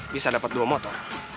bisa dapat dua motor